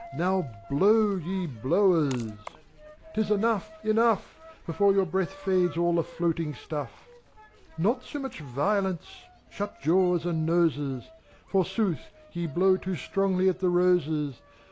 Now blow, ye Blowers !— ^'T is enough, enough ! Before your breath fades all the floating stuff. Not so much violence, — shut jaws and noses! Forsooth, ye blow too strongly at the roses.